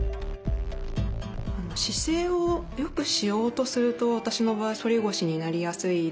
姿勢をよくしようとすると私の場合反り腰になりやすいです。